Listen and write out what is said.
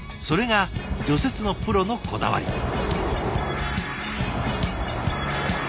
それが除雪のプロのこだわり。